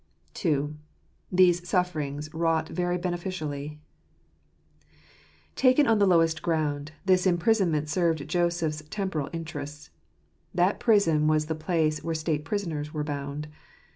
II. These Sufferings Wrought very Beneficially. — Taken on the lowest ground, this imprisonment served Joseph's temporal interests. That prison was the place where state prisoners were bound.